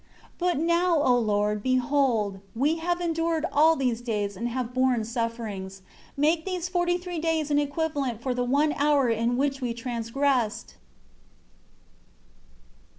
10 But now, O Lord, behold, we have endured all these days, and have borne sufferings. Make these forty three days an equivalent for the one hour in which we transgressed."